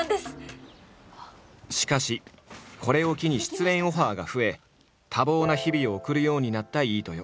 しかしこれを機に出演オファーが増え多忙な日々を送るようになった飯豊。